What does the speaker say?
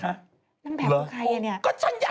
นางแบบใครอันนี้